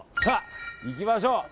行きましょう。